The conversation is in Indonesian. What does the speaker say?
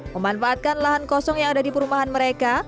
memanfaatkan lahan kosong yang ada di perumahan mereka